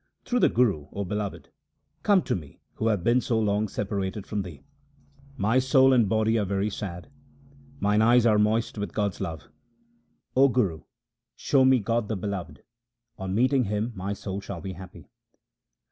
Through the Guru, O Beloved, come to me who have been so long separated from Thee. My soul and body are very sad ; mine eyes are moist with God's love. O Guru, show me God the Beloved ; on meeting Him my soul shall be happy.